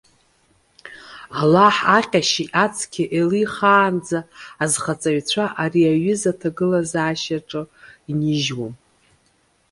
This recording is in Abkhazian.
Аллаҳ аҟьашьи ацқьеи еилихаанӡа азхаҵаҩцәа ари аҩыза аҭагылазашьаҿы инижьуам.